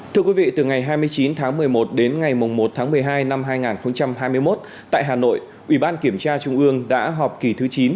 thưa quý vị từ ngày hai mươi chín tháng một mươi một đến ngày một tháng một mươi hai năm hai nghìn hai mươi một tại hà nội ủy ban kiểm tra trung ương đã họp kỳ thứ chín